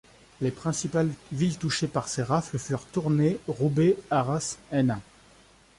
Les principales villes touchées par ces rafles furent Tournai, Roubaix, Arras, Hénin.